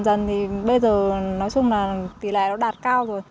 dần thì bây giờ nói chung là tỷ lệ nó đạt cao rồi